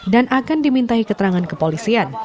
dan akan dimintai keterangan kepolisian